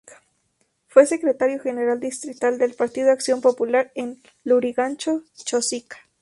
Fue Secretario General distrital del Partido Acción Popular en Lurigancho-Chosica.